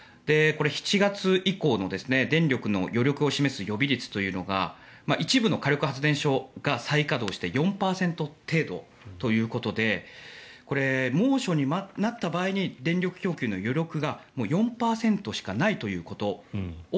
７月以降の電力の余力を示す予備率というのが一部の火力発電所が再稼働して４％程度ということでこれは猛暑になった場合に電力供給の余力が４％しかないということを